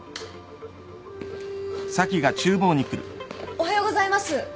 おはようございます。